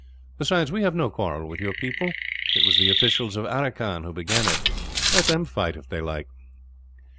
Besides, we have no quarrel with your people. It was the officials at Aracan who began it; let them fight, if they like."